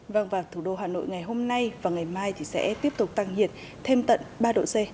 vâng và thủ đô hà nội ngày hôm nay và ngày mai thì sẽ tiếp tục tăng nhiệt thêm tận ba độ c